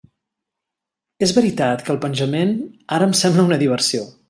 És veritat que el penjament ara em sembla una diversió.